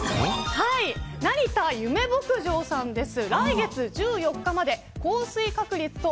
成田ゆめ牧場さんです。